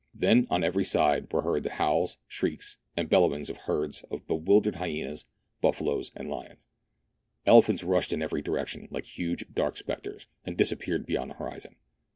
Then, on every side, were heard the howls, shrieks, and bellowings of herds of bev/ildered hyenas, buffaloes, and lions ; elephants rushed in every direction, like huge dark spectres, and disappeared beyond the horizon.